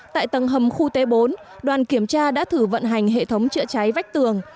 tại tầng hầm khu t bốn đoàn kiểm tra đã thử vận hành hệ thống chữa cháy vách tường